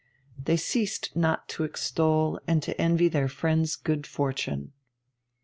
They ceased not to extol and to envy their friend's good fortune.